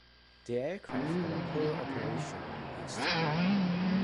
The aircraft had a poor operational history.